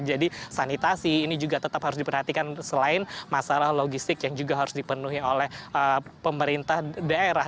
jadi sanitasi ini juga tetap harus diperhatikan selain masalah logistik yang juga harus dipenuhi oleh pemerintah daerah